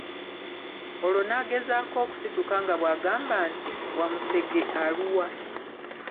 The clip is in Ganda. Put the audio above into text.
Olwo n'agezaako okusituka nga bw'agamba nti "Wamusege aluwa?